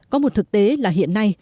có một thực tế là hiện nay